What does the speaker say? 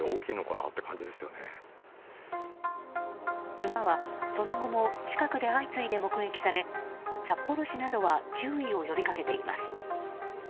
クマは、その後も近くで相次いで目撃され札幌市などは注意を呼びかけています。